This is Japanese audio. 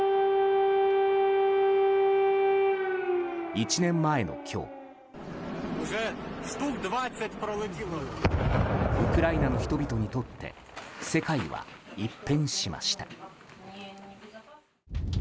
１年前の今日ウクライナの人々にとって世界は一変しました。